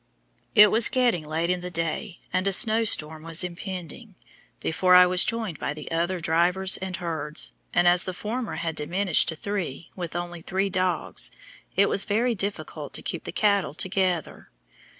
It was getting late in the day, and a snowstorm was impending, before I was joined by the other drivers and herds, and as the former had diminished to three, with only three dogs, it was very difficult to keep the cattle together.